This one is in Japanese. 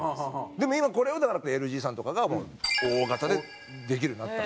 でも今これをだからＬＧさんとかが大型でできるようになったんです。